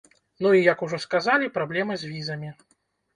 Ну і, як ужо сказалі, праблема з візамі.